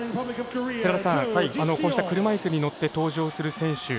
寺田さん、こうして車いすに乗って登場する選手。